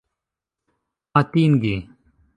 atingi